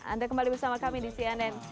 anda kembali bersama kami di cnn